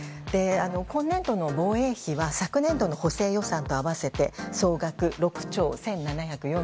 今年度の防衛費は昨年度の補正予算と合わせて総額６兆１７４４億円。